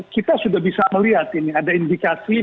kita sudah bisa melihat ini ada indikasi